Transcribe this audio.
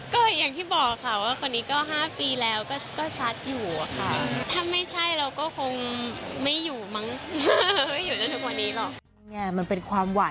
ก็อย่างที่บอกค่ะว่าคนนี้ก็๕ปีแล้วก็ชัดอยู่ค่ะ